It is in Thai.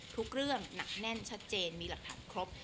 ทุกเรื่องหนักแน่นชัดเจนมีหลักฐานครบ